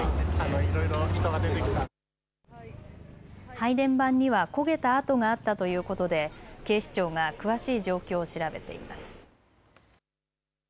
配電盤には焦げた跡があったということで警視庁が詳しい状況を調べています。